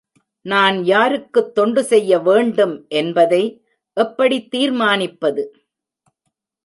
நான் யாருக்குத் தொண்டு செய்ய வேண்டும் என்பதை எப்படித் தீர்மானிப்பது?